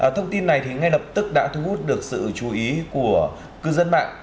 thông tin này ngay lập tức đã thu hút được sự chú ý của cư dân mạng